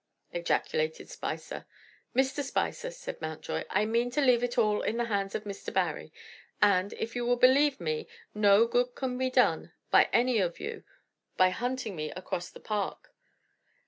ejaculated Spicer. "Mr. Spicer," said Mountjoy, "I mean to leave it all in the hands of Mr. Barry; and, if you will believe me, no good can be done by any of you by hunting me across the park."